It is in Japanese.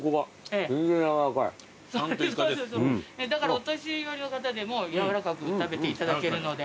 だからお年寄りの方でも軟らかく食べていただけるので。